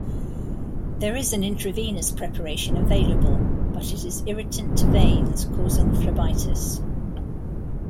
There is an intravenous preparation available, but it is irritant to veins, causing phlebitis.